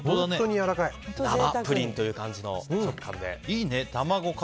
生プリンという感じの食感で。